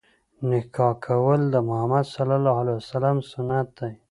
نکاح کول د مُحَمَّد ﷺ سنت دی.